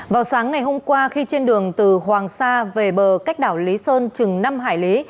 vào sáng ngày hôm qua khi trên đường từ hoàng sa về bờ cách đảo lý sơn chừng năm hải lý